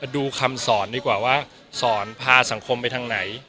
ดูคำสอนดีกว่าว่าสอนพาสังคมไปทางไหน